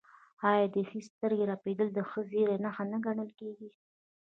آیا د ښي سترګې رپیدل د ښه زیری نښه نه ګڼل کیږي؟